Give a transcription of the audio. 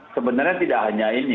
sebenarnya tidak hanya ini